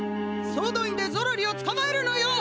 そう動員でゾロリをつかまえるのよ！